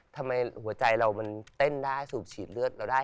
หัวใจเรามันเต้นได้สูบฉีดเลือดเราได้